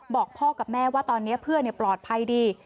บอกพ่อกับแม่ว่าตอนนี้เพื่อนปลอดภัยดี